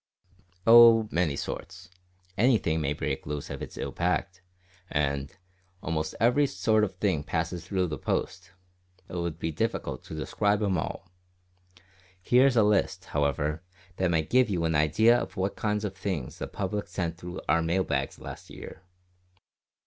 "Oh, many sorts. Anything may break loose if it's ill packed, and, as almost every sort of thing passes through the post, it would be difficult to describe 'em all. Here is a list, however, that may give you an idea of what kind of things the public sent through our mail bags last year.